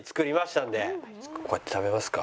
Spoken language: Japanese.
こうやって食べますか。